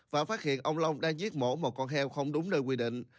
và phát hiện ông long đang giết mổ một con heo không đúng nơi quy định